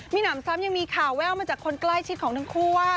มีหนำซ้ำยังมีข่าวแววมาจากคนใกล้ชิดของทั้งคู่ว่า